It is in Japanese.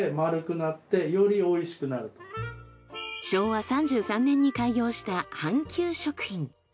少し昭和３３年に開業した半久食品。